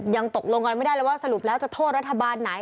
ยังตกลงกันไม่ได้เลยว่าสรุปแล้วจะโทษรัฐบาลไหน